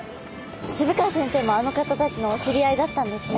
渋川先生もあの方たちのお知り合いだったんですね。